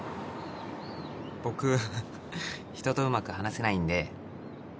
僕人とうまく話せないんで。